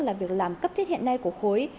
là việc làm cấp thiết hiện nay của khối